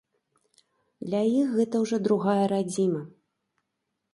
Для іх гэта ўжо другая радзіма.